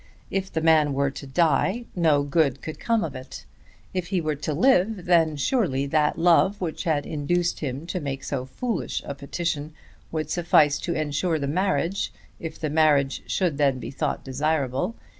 If the man were to die no good could come of it. If he were to live then surely that love which had induced him to make so foolish a petition would suffice to ensure the marriage, if the marriage should then be thought desirable.